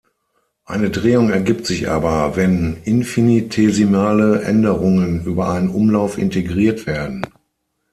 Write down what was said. Eine Drehung ergibt sich aber, wenn infinitesimale Änderungen über einen Umlauf integriert werden.